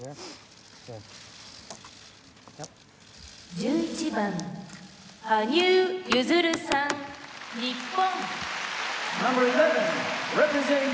「１１番羽生結弦さん日本」。